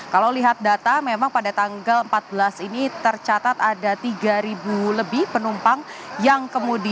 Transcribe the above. kalau lihat data memang pada tanggal empat belas ini tercatat ada tiga lebih penumpang yang kemudian